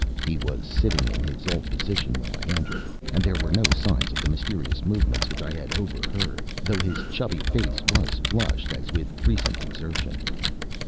He was sitting in his old position when I entered, and there were no signs of the mysterious movements which I had overheard, though his chubby face was flushed as with recent exertion.